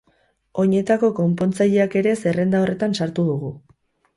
Oinetako-konpontzaileak ere zerrenda horretan sartu dugu.